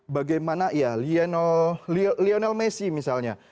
bagaimana lionel messi misalnya